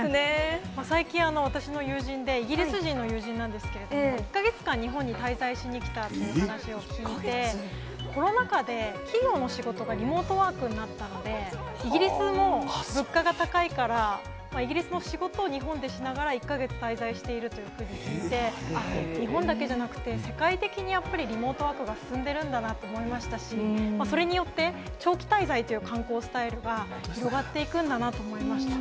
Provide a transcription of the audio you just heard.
最近、私の友人で、イギリス人の友人なんですけれども、１か月間、日本に滞在しに来たという話を聞いて、コロナ禍で企業の仕事がリモートワークになったんで、イギリスも物価が高いから、イギリスの仕事を日本でしながら、１か月滞在しているというふうに聞いて、あっ、日本だけじゃなくて、世界的にやっぱりリモートワークが進んでるんだなと思いましたし、それによって、長期滞在という観光スタイルが広がっていくんだなと思いました。